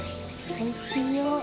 おいしいよ。